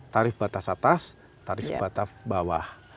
tarif batas atas tarif batas bawah